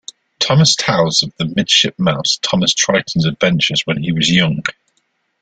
Thomas tells of the midshipmouse Thomas Triton's adventures when he was young.